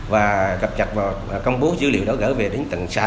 và gặp nhặt và công bố dữ liệu đó gửi về đến tận xã